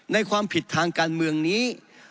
ในความผิดทางการเมืองนี้